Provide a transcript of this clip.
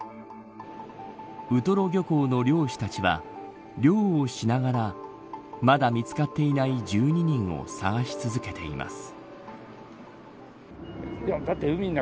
ウトロ漁港の漁師たちは漁をしながらまだ見つかっていない１２人を探し続けています。